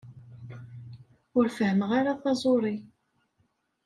Ur fehmeɣ ara taẓuṛi.